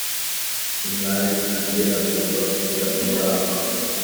umwari nka nge agomba kugira umurava